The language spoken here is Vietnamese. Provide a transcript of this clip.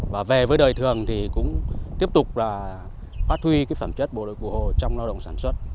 và về với đời thường thì cũng tiếp tục là phát huy phẩm chất bộ đội cụ hồ trong lao động sản xuất